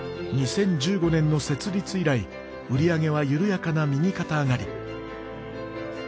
２０１５年の設立以来売り上げは緩やかな右肩上がり。